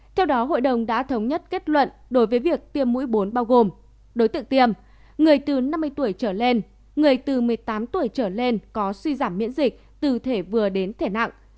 theo đó hội đồng đã thống nhất kết luận đối với việc tiêm mũi bốn bao gồm đối tượng tiêm người từ năm mươi tuổi trở lên người từ một mươi tám tuổi trở lên có suy giảm miễn dịch từ thể vừa đến thể nặng